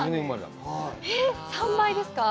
３倍ですか？